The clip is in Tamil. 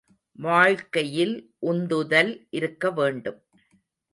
வாழ்க்கையில் உந்துதல் இருக்க வேண்டும்.